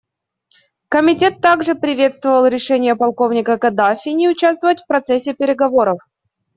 Комитет также приветствовал решение полковника Каддафи не участвовать в процессе переговоров.